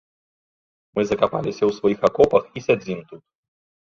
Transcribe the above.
Мы закапаліся ў сваіх акопах і сядзім тут.